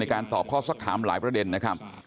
การตอบข้อสักถามหลายประเด็นนะครับ